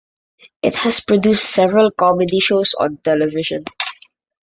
It has produced several comedy shows on television.